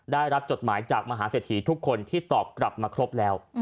ได้รับจดหมายจากมหาเศรษฐีทุกคนที่ตอบกลับมาครบแล้ว